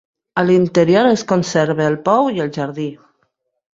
A l'interior es conserva el pou i el jardí.